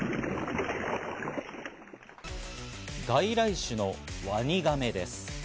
外来種のワニガメです。